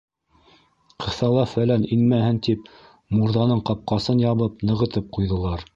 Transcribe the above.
Ҡыҫала-фәлән инмәһен тип, мурҙаның ҡапҡасын ябып, нығытып ҡуйҙылар.